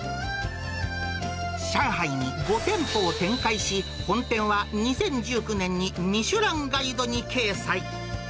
上海に５店舗を展開し、本店は２０１９年にミシュランガイドに掲載。